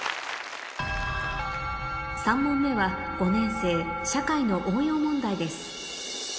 ３問目は５年生社会の応用問題です